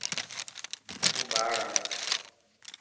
هون ٻاڙ هان.